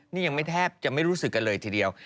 นี่ยังไม่แทบจะไม่รู้สึกกันเลยทีเดียว